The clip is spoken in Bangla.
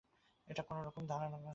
এটা কোনোক্রমেই ধরা যাবে না।